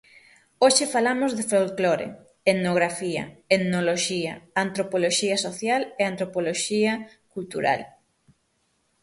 Hoxe falamos de folclore, etnografía, etnoloxía, antropoloxía social e antropoloxía cultural.